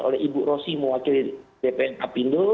oleh ibu rosi mewakili bpn apindo